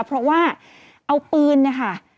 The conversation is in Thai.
เพราะว่าเอาปืนเนี่ยค่ะ